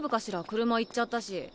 車行っちゃったし。